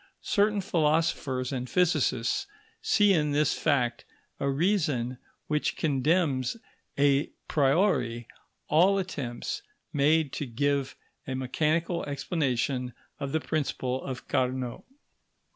Certain philosophers and physicists see in this fact a reason which condemns a priori all attempts made to give a mechanical explanation of the principle of Carnot.